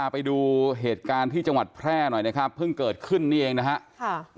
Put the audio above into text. ไปดูเหตุการณ์ที่จังหวัดแพร่หน่อยนะครับเพิ่งเกิดขึ้นนี่เองนะครับ